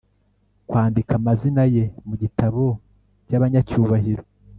kwandika amazina ye mu gitabo cy’abanyacyubahiro,